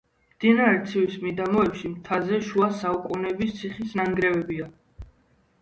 მდინარე ცივის მიდამოებში, მთაზე, შუა საუკუნეების ციხის ნანგრევებია.